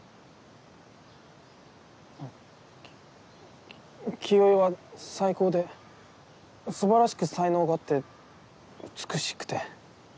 あっき清居は最高ですばらしく才能があって美しくて。